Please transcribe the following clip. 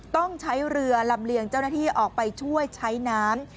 ต้องใช้เรือลำเลียงเจ้าหน้าที่ออกไปช่วยใช้น้ำ